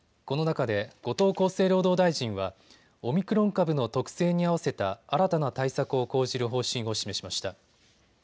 この中で後藤厚生労働大臣はオミクロン株の特性に合わせた新たな対策を講じる方針を示しました。